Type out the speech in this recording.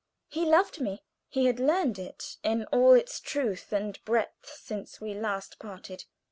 He loved me. He had learned it in all its truth and breadth since we last parted.